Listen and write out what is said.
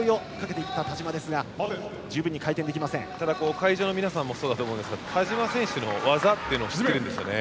会場の皆さんもそうだと思うんですが田嶋選手の技というのを知っているんですよね。